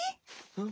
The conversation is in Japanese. うん？